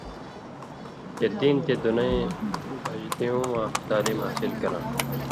چےۡ دین تے دُنَیں بھژدُویُوں واں تعلیم حاصل کراں۔